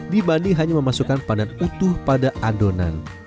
dibanding hanya memasukkan pandan utuh pada adonan